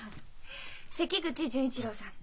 関口純一郎さん。